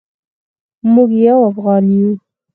موږ یو افغان یو